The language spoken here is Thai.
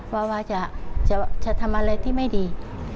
ว่าจะทำอะไรที่ไม่ดี